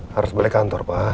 harus balik kantor pak